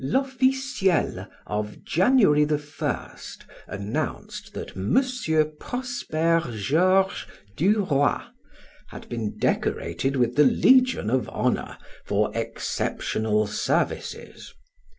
"L'Officiel" of January 1 announced that M. Prosper Georges du Roy had been decorated with the Legion of Honor for exceptional services.